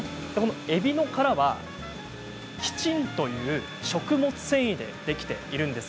えびの殻はキチンという食物繊維でできているんです。